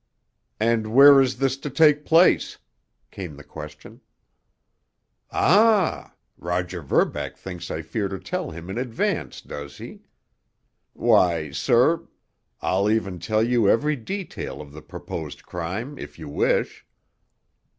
"And where is this to take place?" came the question. "Ah! Roger Verbeck thinks I fear to tell him in advance, does he? Why, sir, I'll even tell you every detail of the proposed crime, if you wish.